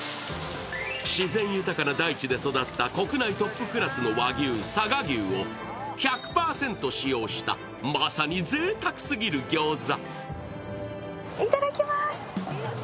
自然豊かな大地で育った国内トップクラスの和牛、佐賀牛を１００％使用した、まさにぜいたくすぎる餃子。